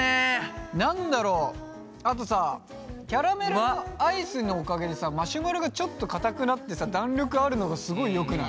何だろうあとさキャラメルアイスのおかげでさマシュマロがちょっとかたくなってさ弾力あるのがすごいよくない？